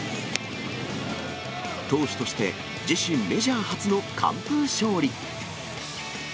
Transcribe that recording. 投手として自身メジャー初の完封勝利。